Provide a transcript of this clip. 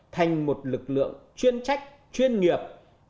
thành một lực lượng chuyên trách chuyên nghiệp gọn gàng tinh nhuệ